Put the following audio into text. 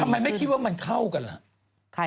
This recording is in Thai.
ไม่คิดว่ามันเข้ากันล่ะ